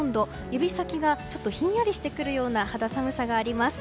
指先がひんやりしてくるような肌寒さがあります。